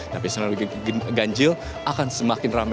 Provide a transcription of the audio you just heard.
tapi sebenarnya ganjil akan semakin ramai